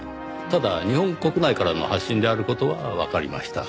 ただ日本国内からの発信である事はわかりました。